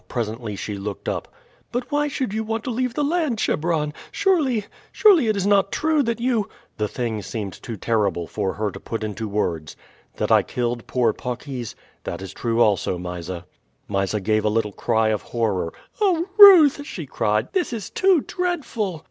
Presently she looked up. "But why should you want to leave the land, Chebron? Surely surely it is not true that you " The thing seemed too terrible for her to put into words. "That I killed poor Paucis? That is true also, Mysa." Mysa gave a little cry of horror. "Oh, Ruth!" she cried, "this is too dreadful!"